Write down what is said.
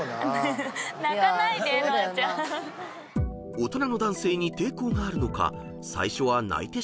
［大人の男性に抵抗があるのか最初は泣いてしまったのあちゃん］